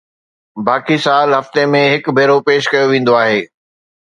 باقي سال هفتي ۾ هڪ ڀيرو پيش ڪيو ويندو آهي